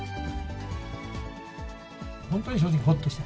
本当に正直、ほっとした。